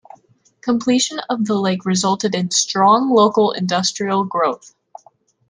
Completion of the lake resulted in strong local industrial growth.